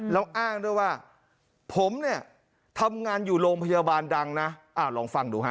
แล้วอ้างด้วยว่าผมเนี่ยทำงานอยู่โรงพยาบาลดังนะลองฟังดูฮะ